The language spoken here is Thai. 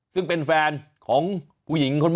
ซึ่งเป็นแฟนของ